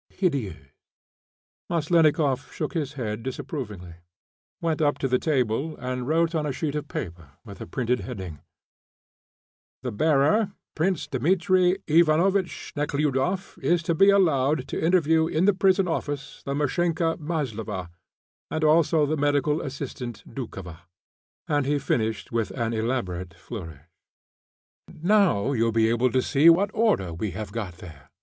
_" "Hideuse." Maslennikoff shook his head disapprovingly, went up to the table, and wrote on a sheet of paper, with a printed heading: "The bearer, Prince Dmitri Ivanovitch Nekhludoff, is to be allowed to interview in the prison office the meschanka Maslova, and also the medical assistant, Doukhova," and he finished with an elaborate flourish. "Now you'll be able to see what order we have got there.